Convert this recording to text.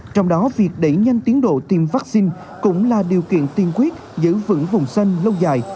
trong đó việc đẩy nhanh tiến độ tiêm vaccine cũng là điều kiện tiên quyết giữ vững vùng xanh lâu dài